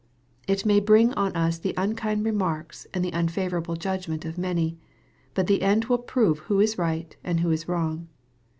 It may bring on us the unkind remarks and the un favorable judgment of many. But the end will prove who is right and who is wrong.